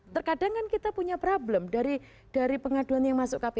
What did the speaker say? terkadang kan kita punya problem dari pengaduan yang masuk kpk